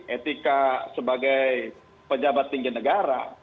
etika sebagai pejabat tinggi negara